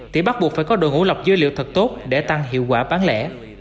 thì bắt buộc phải có đội ngũ lọc dữ liệu thật tốt để tăng hiệu quả bán lẻ